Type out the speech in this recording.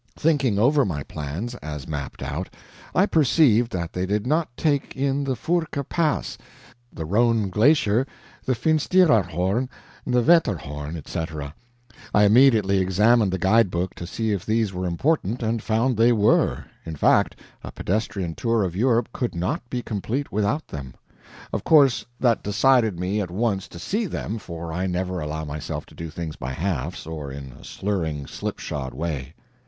Thinking over my plans, as mapped out, I perceived that they did not take in the Furka Pass, the Rhone Glacier, the Finsteraarhorn, the Wetterhorn, etc. I immediately examined the guide book to see if these were important, and found they were; in fact, a pedestrian tour of Europe could not be complete without them. Of course that decided me at once to see them, for I never allow myself to do things by halves, or in a slurring, slipshod way.